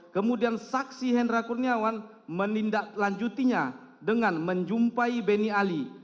kemudian saksi hendra kurniawan menindaklanjutinya dengan menjumpai benny ali